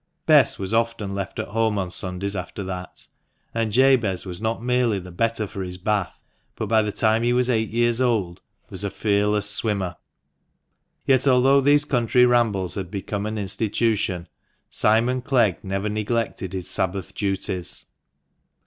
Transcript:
Bess was often left at home on Sundays after that ; and Jabez was not merely the better for his bath, but by the time he was eight years old was a fearless swimmer. Yet, although these country rambles had become an institution, Simon Clegg never neglected his Sabbath duties.